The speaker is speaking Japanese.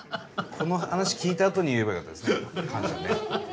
この話聞いたあとに言えばよかったですね感謝ねはい。